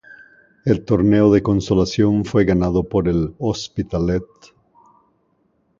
El Torneo de Consolación fue ganado por el Hospitalet.